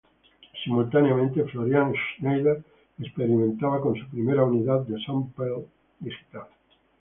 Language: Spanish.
Simultáneamente Florian Schneider experimentaba con su primera unidad de sampler digital.